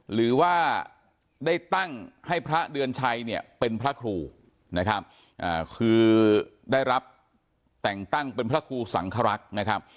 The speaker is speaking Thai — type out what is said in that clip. หรือว่าได้ตั้งให้พระเดือนชัยเป็นพระครูคือได้รับแต่งตั้งเป็นพระครูสังขรักษ์